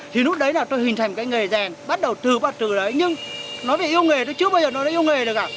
thì lúc đấy là tôi hình thành cái nghề rèn bắt đầu từ bà trừ đấy nhưng nó bị yêu nghề tôi chưa bao giờ nói yêu nghề được cả